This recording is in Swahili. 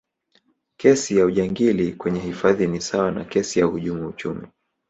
kesi ya ujangili kwenye hifadhi ni sawa na kesi ya uhujumu uchumi